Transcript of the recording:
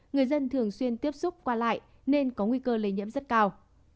người dân thường xuyên tiếp xúc qua lại nên có nguy cơ lây nhiễm rất cao